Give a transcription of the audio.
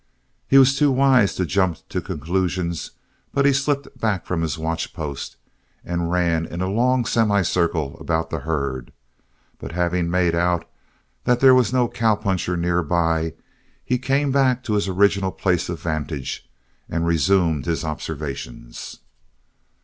He was too wise to jump to conclusions but slipped back from his watch post and ran in a long semi circle about the herd, but having made out that there was no cowpuncher nearby, he came back to his original place of vantage and resumed his observations.